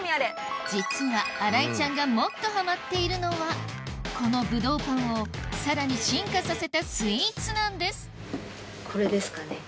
実は新井ちゃんがもっとハマっているのはこのぶどうパンをさらに進化させたスイーツなんですこれですかね。